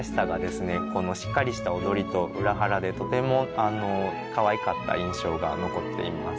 このしっかりした踊りと裏腹でとてもかわいかった印象が残っています。